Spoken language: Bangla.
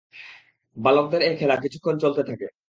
বালকদের এ খেলা কিছুক্ষণ চলতে থাকে।